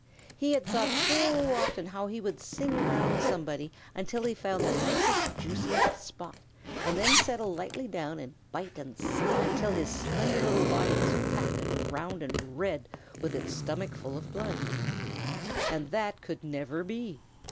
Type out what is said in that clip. He had thought so often how he would sing around somebody until he found the nicest, juiciest spot, and then settle lightly down and bite and suck until his slender little body was fat and round and red with its stomachful of blood. And that could never be!